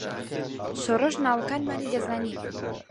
شۆڕش ناوەکانمانی دەزانی.